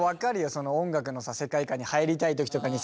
その音楽の世界観に入りたい時とかにさ